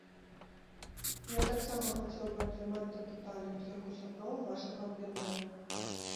Я таксама хацеў бы атрымаць такі талент, як у сяброў вашага аб'яднання.